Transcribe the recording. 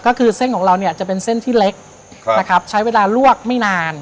ก็คือเส้นของเราเนี่ยจะเป็นเส้นที่เล็กนะครับใช้เวลาลวกไม่นาน